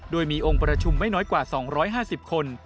โดยมีองค์ประชุมไม่น้อยกว่า๒๕๐คน